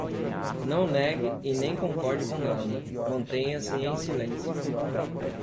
Não negue e nem concorde com nada, mantenha-se em silêncio